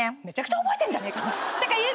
めちゃくちゃ覚えてんじゃねえか！